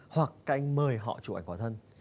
hoặc các anh mời họ chụp ảnh quả thân